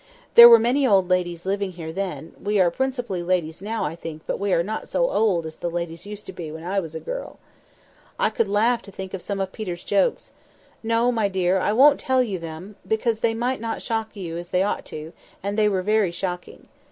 There were many old ladies living here then; we are principally ladies now, I know, but we are not so old as the ladies used to be when I was a girl. I could laugh to think of some of Peter's jokes. No, my dear, I won't tell you of them, because they might not shock you as they ought to do, and they were very shocking.